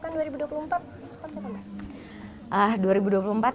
nah untuk mempersiapkan dua ribu dua puluh empat seperti apa mbak